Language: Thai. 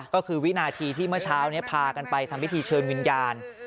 ก็คือวินาทีที่เมื่อเช้านี้พากันไปทำพิธีเชิญวิญญาณ